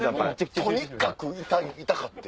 とにかく痛かって。